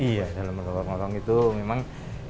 iya di dalam lorong lorong itu memang